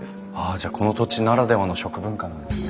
じゃあこの土地ならではの食文化なんですね。